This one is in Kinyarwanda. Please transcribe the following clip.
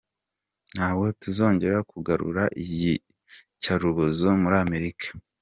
Ntabwo tuzongera kugarura iyicarubozo muri Amerika.